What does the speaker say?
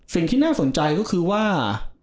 สิ่งที่น่าสนใจก็คือว่า